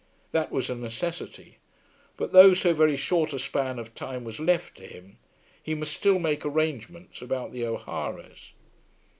That was a necessity; but though so very short a span of time was left to him, he must still make arrangements about the O'Haras.